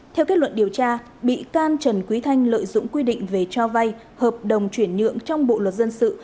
theo kết luận điều tra bị can trần quý thanh lợi dụng quy định về cho vay hợp đồng chuyển nhượng trong bộ luật dân sự